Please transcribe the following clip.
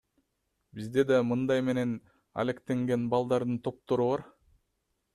Бизде да мындай менен алектенген балдардын топтору бар.